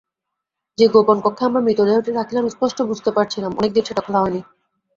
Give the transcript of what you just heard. যে গোপন কক্ষে আমরা মৃতদেহটি রাখলাম স্পষ্ট বুঝতে পারছিলাম অনেকদিন সেটা খোলা হয়নি।